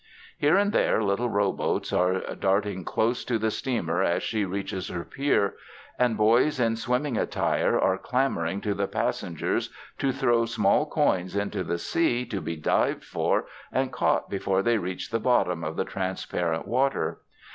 Here and there, little rowboats are darting close to the steamer as she reaches her pier, and boys in swimming attire are clamoring to the passengers to throw small coins into the sea, to be dived for and caught before they reach the bottom of the transparent water.